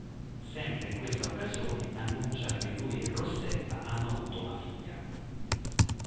Sempre in questa occasione annuncia che lui e Rossella hanno avuto una figlia.